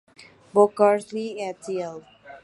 Bocarsly"et al.